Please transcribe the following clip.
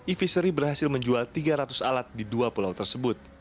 evisery berhasil menjual tiga ratus alat di dua pulau tersebut